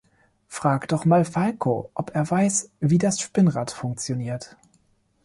Frag doch mal Falco, ob er weiß, wie das Spinnrad funktioniert.